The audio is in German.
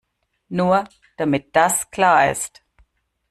Nur, damit das klar ist.